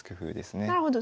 なるほど。